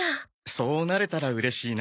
そうなれたらうれしいな。